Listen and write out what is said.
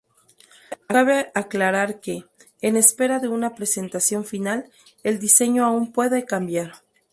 Cabe aclarar que, en espera de una presentación final, el diseño aun puede cambiar.